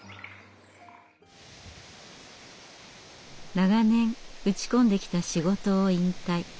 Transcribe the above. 長年打ち込んできた仕事を引退。